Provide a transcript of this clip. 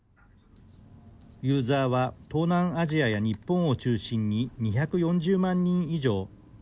ユーザーは東南アジアや日本を中心に２４０万人以上。